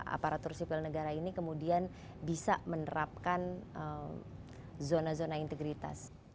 aparatur sipil negara ini kemudian bisa menerapkan zona zona integritas